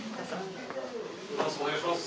お願いします。